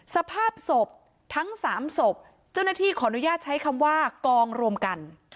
สภาพศพทั้ง๓ศพเจ้าหน้าที่ขออนุญาตใช้คำว่ากองรวมกัน